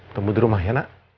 temu di rumah ya nak